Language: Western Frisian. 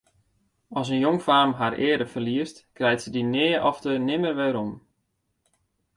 As in jongfaam har eare ferliest, krijt se dy nea ofte nimmer werom.